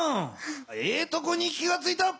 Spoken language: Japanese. ええとこに気がついた。